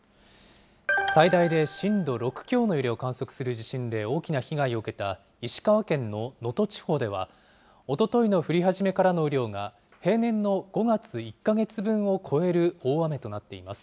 最大で震度６強の揺れを観測する地震で大きな被害を受けた石川県の能登地方では、おとといの降り始めからの雨量が平年の５月１か月分を超える大雨となっています。